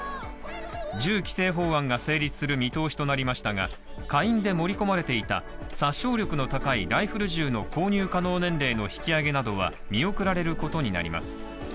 銃規制法案が成立する見通しとなりましたが下院で盛り込まれていた殺傷力の高いライフル銃の購入可能年齢の引き上げなどは見送られることになります。